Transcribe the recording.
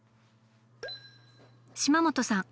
島本さん